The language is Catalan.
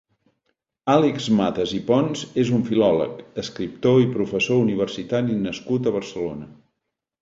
Àlex Matas i Pons és un filòleg, escriptor i professor universitari nascut a Barcelona.